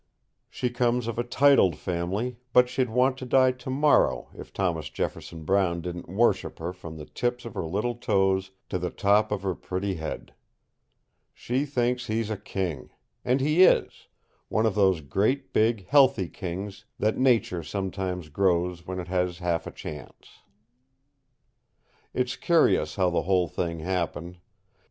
She comes of a titled family, but she'd want to die to morrow if Thomas Jefferson Brown didn't worship her from the tips of her little toes to the top of her pretty head. She thinks he's a king. And he is one of those great, big, healthy kings that nature sometimes grows when it has half a chance. II It's curious how the whole thing happened.